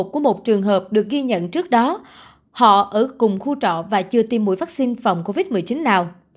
của một trường hợp được ghi nhận trước đó họ ở cùng khu trọ và chưa tiêm mũi vaccine phòng covid một mươi chín nào